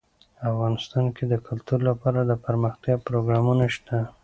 افغانستان کې د کلتور لپاره دپرمختیا پروګرامونه شته.